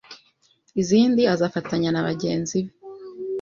izindi azifatanya na bagenzi be